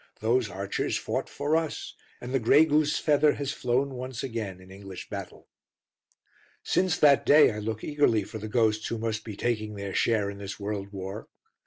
Those archers fought for us, and the grey goose feather has flown once again in English battle. Since that day I look eagerly for the ghosts who must be taking their share in this world war.